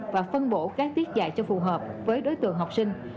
và phân bổ các tiết dạy cho phù hợp với đối tượng học sinh